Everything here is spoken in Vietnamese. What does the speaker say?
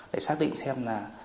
để xác định xem là